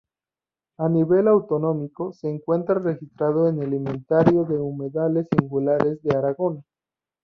A nivel autonómico, se encuentra registrado en el Inventario de Humedales Singulares de Aragón.